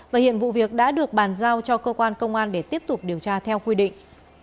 và hiện vụ việc đã được bàn giao cho cơ quan công an để tiếp tục điều tra theo quy định